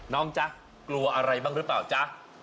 น้องจ๊ะกลัวอะไรบ้างรึเปล่าจ๊ะ